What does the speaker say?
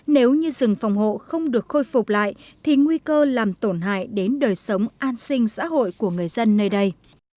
nếu như rừng phòng hộ không được khôi phục lại thì nguy cơ làm tổn hại đến đời sống an sinh xã hội của người dân nơi đây